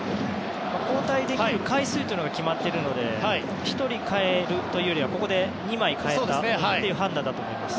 交代できる回数が決まっているので１人代えるというよりはここで２枚代えるという判断だと思います。